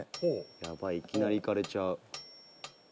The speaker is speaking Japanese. やばいいきなりいかれちゃう。